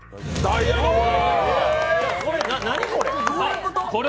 何これ？